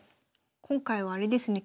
今回はあれですね。